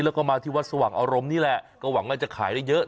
แล้วก็มาที่วัดสว่างอารมณ์นี่แหละก็หวังว่าจะขายได้เยอะ